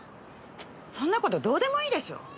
そんな事どうでもいいでしょ！